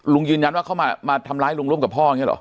ยืนยันว่าเขามาทำร้ายลุงร่วมกับพ่ออย่างนี้เหรอ